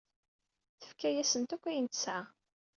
Tefka-yasent akk ayen tesɛa.